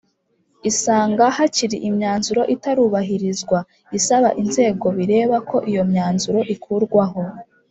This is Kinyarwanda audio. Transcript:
isanga hakiri imyanzuro itarubahirizwa isaba inzego bireba ko iyo imyanzuro ikurwaho